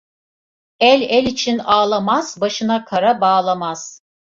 El el için ağlamaz; başına kara bağlamaz.